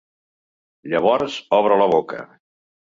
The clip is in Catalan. Llavors obre la boca.